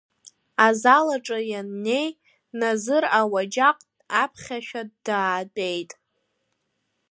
Азалаҿы ианнеи, Назыр ауаџьаҟ аԥхьашәа даатәеит.